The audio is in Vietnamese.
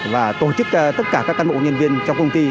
và tổ chức tất cả các cán bộ nhân viên trong công ty